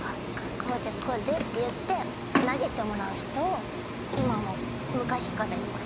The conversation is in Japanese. こうでこうでって言って投げてもらう人を今も昔からいます。